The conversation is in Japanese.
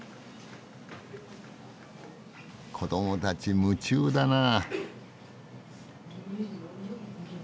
子どもたち夢中だなあ。